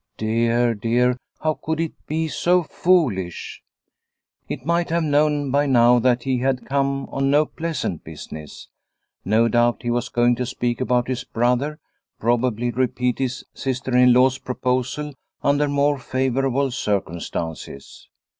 Dear, dear! how could it be so foolish ? It might have known by now that he had come on no pleasant business. No doubt he was going to speak about his brother; probably repeat his sister in law's proposal under more favourable cir cumstances.